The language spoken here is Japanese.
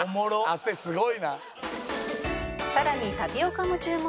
汗すごいな。